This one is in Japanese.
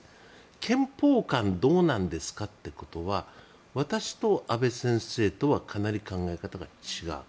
憲法観どうなんですかってことは私と安倍先生とはかなり考え方が違う。